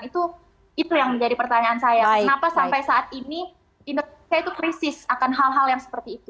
itu yang menjadi pertanyaan saya kenapa sampai saat ini indonesia itu krisis akan hal hal yang seperti itu